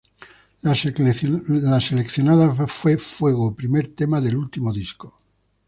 La seleccionada fue "Fuego", primer tema del último disco.